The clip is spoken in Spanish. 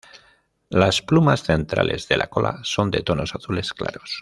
Las plumas centrales de la cola son de tonos azules claros.